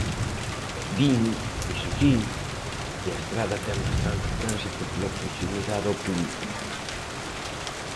Din, iso si, que a estrada ten bastante tránsito pola proximidade ao polígono.